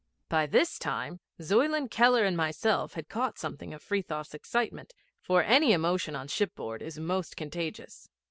By this time Zuyland, Keller, and myself had caught something of Frithiof's excitement, for any emotion on shipboard is most contagious.